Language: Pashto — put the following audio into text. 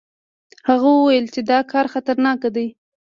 هغه ویل چې دا کار خطرناک دی.